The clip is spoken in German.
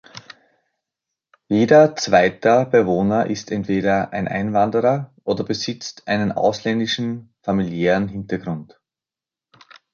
Jeder zweiter Bewohner ist entweder ein Einwanderer oder besitzt einen ausländischen familiären Hintergrund.